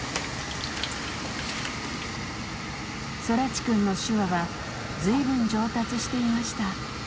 空知くんの手話はずいぶん上達していました。